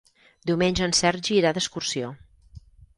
Diumenge en Sergi irà d'excursió.